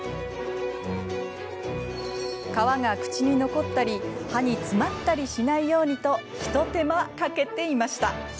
皮が口に残ったり歯に詰まらないようにと一手間かけていました。